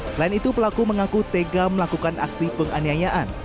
selain itu pelaku mengaku tega melakukan aksi penganiayaan